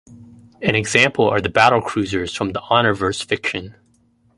An example are the battlecruisers from the Honorverse fiction.